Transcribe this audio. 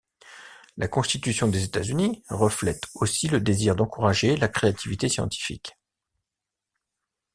La Constitution des États-Unis reflète aussi le désir d'encourager la créativité scientifique.